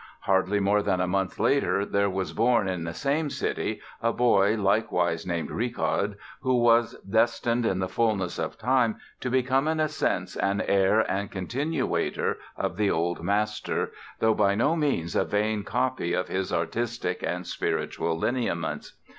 Hardly more than a month later there was born in the same city a boy likewise named Richard who was destined in the fullness of time to become in a sense an heir and continuator of the older master, though by no means a vain copy of his artistic and spiritual lineaments.